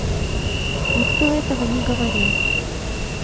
Никто этого не говорил.